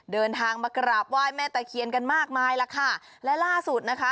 เดินทางมากราบไหว้แม่ตะเคียนกันมากมายล่ะค่ะและล่าสุดนะคะ